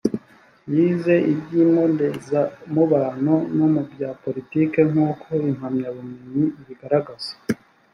yize iby’imbonezamubano no mu bya politiki nk’uko impamyabumenyi ibigaragaza